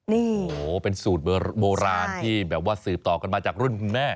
โอ้โหเป็นสูตรโบราณที่แบบว่าสืบต่อกันมาจากรุ่นคุณแม่